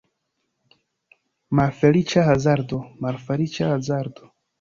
Malfeliĉa hazardo, malfeliĉa hazardo!